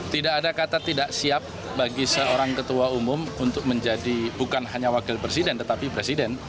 tidak ada kata tidak siap bagi seorang ketua umum untuk menjadi bukan hanya wakil presiden tetapi presiden